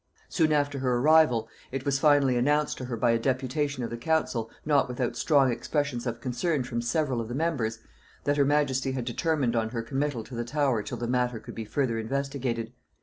Soon after her arrival, it was finally announced to her by a deputation of the council, not without strong expressions of concern from several of the members, that her majesty had determined on her committal to the Tower till the matter could be further investigated.